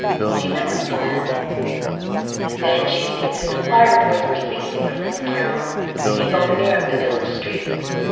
She listened for a moment and then she knew that the choir boys were singing the Christmas carols in the open air of the village street.